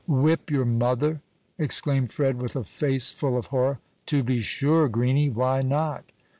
"Whip your mother!" exclaimed Fred, with a face full of horror. "To be sure, greenie! Why not?